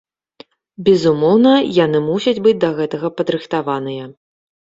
Безумоўна, яны мусяць быць да гэтага падрыхтаваныя.